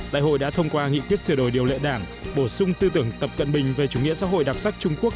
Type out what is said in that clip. đại hội đã thông qua nghị quyết sửa đổi điều lệ đảng bổ sung tư tưởng tập cận bình về chủ nghĩa xã hội đặc sắc trung quốc